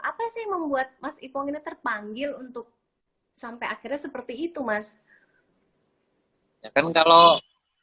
apa sih yang membuat mas ipong ini terpanggil untuk sampai akhirnya seperti itu mas